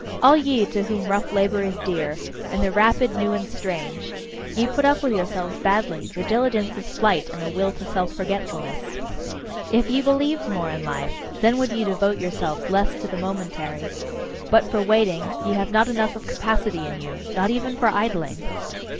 All ye to whom rough labour is dear, and the rapid, new, and strange ye put up with yourselves badly; your diligence is flight, and the will to self forgetfulness. If ye believed more in life, then would ye devote yourselves less to the momentary. But for waiting, ye have not enough of capacity in you nor even for idling!